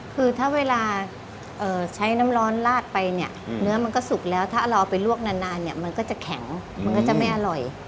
คือถ้าเวลาใช้น้ำร้อนลาดไปเนี่ยเนื้อมันก็สุกแล้วถ้าเราเอาไปลวกนานเนี่ยมันก็จะแข็งมันก็จะไม่อร่อย